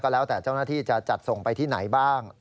แล้วแต่เจ้าหน้าที่จะจัดส่งไปที่ไหนบ้าง